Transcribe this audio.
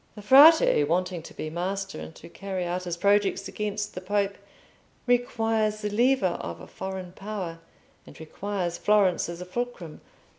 The Frate, wanting to be master, and to carry out his projects against the Pope, requires the lever of a foreign power, and requires Florence as a fulcrum.